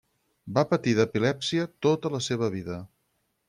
Va patir d'epilèpsia tota la seva vida.